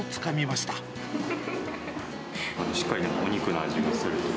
しっかりお肉の味がする。